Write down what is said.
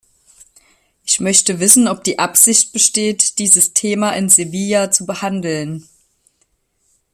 Ich möchte wissen, ob die Absicht besteht, dieses Thema in Sevilla zu behandeln.